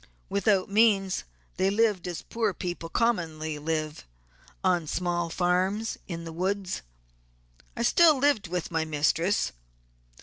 Without means they lived as poor people commonly live, on small farms in the woods. I still lived with my mistress.